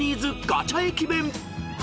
ガチャ駅弁］